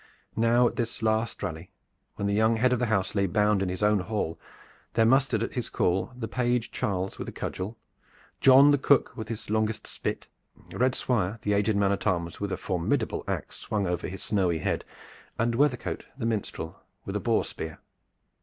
Now at this last rally when the young head of the house lay bound in his own hall, there mustered at his call the page Charles with a cudgel, John the cook with his longest spit, Red Swire the aged man at arms with a formidable ax swung over his snowy head, and Weathercote the minstrel with a boar spear.